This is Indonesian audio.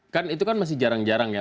kan itu kan masih jarang jarang ya